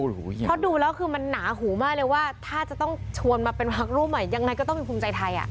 เพราะดูแล้วคือมันหนาหูมากเลยว่าถ้าจะต้องชวนมาเป็นพักร่วมใหม่ยังไงก็ต้องเป็นภูมิใจไทย